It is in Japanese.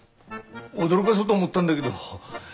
驚がそうと思ったんだげど。